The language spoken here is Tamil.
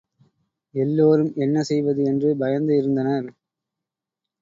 எல்லோரும் என்ன செய்வது என்று பயந்து இருந்தனர்.